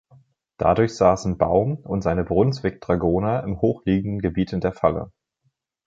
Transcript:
Dadurch saßen Baum und seine Brunswick-Dragoner im hoch liegenden Gebiet in der Falle.